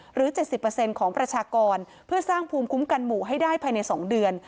๗๐ของประชากรเพื่อสร้างภูมิคุ้มกันหมู่ให้ได้ภายใน๒เดือน